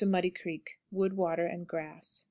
Muddy Creek. Wood, water, and grass.